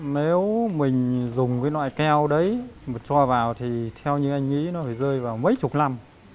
nếu mình dùng cái loại keo đấy mà cho vào thì theo như anh nghĩ nó phải rơi vào mấy chục năm